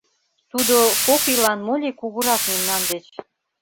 Тудо кок ийлан мо ли кугурак мемнан деч.